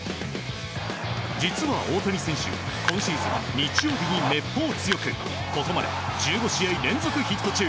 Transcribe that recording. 実は大谷選手、今シーズン日曜日にめっぽう強くここまで１５試合連続ヒット中。